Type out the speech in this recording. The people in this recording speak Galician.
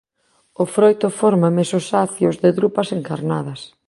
O froito forma mesos acios de drupas encarnadas.